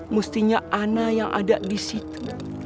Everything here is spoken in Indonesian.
mustinya ana yang ada disitu